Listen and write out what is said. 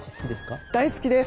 大好きです！